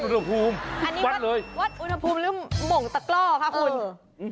อันนี้วัดอุณหภูมิหรือหม่องตะกล้อคะขุน